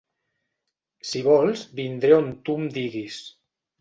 Si vols vindré on tu em diguis.